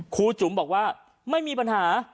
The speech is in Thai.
ครูจุ๋มบอกว่าไม่มีปัญหา